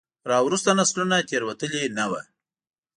راوروسته نسلونو تېروتلي نه وو.